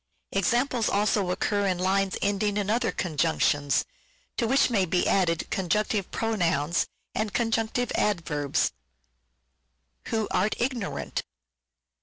Examples also occur of lines ending in other Conjunctions, to which may be added Conjunctive Pronouns and Conjunctive Adverbs :—" who Art ignorant " (I.